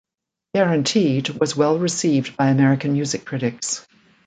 "Guaranteed" was well received by American music critics.